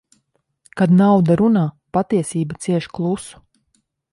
Kad nauda runā, patiesība cieš klusu.